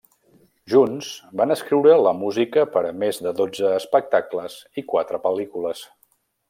Junts, van escriure la música per a més de dotze espectacles i quatre pel·lícules.